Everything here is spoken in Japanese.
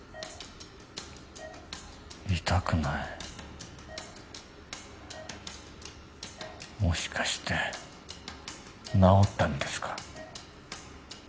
痛くないもしかして治ったんですか？